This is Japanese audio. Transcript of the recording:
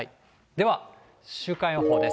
では週間予報です。